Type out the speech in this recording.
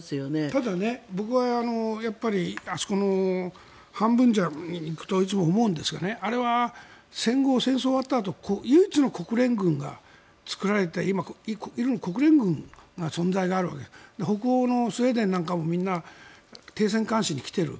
ただ、僕はやっぱりいつも思うんですがあれは戦後、終わったあと唯一の国連軍が作られた今、国連軍の存在があるわけ北欧のスウェーデンなんかも停戦監視に来ている。